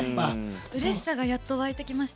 うれしさがやっと湧いてきました。